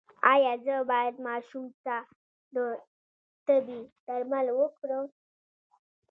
ایا زه باید ماشوم ته د تبې درمل ورکړم؟